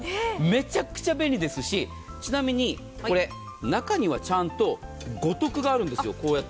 めちゃくちゃ便利ですしちなみにこれ、中にはちゃんと五徳があるんです。